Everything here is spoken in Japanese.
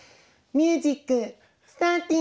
ミュージックスターティン！